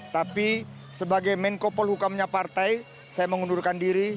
tapi sebagai menkopol hukumnya partai saya mengundurkan diri